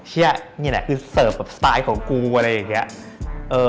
นี่แหละคือเสิร์ฟกับสไตล์ของกูอะไรอย่างนี้